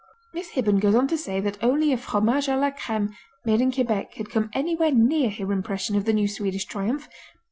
Miss Hibben goes on to say that only a fromage à la crème made in Quebec had come anywhere near her impression of the new Swedish triumph.